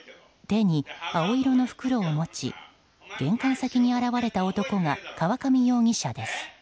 手に青色の袋を持ち玄関先に現れた男が河上容疑者です。